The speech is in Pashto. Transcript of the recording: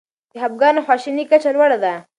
د خپګان او خواشینۍ کچه لوړه ده.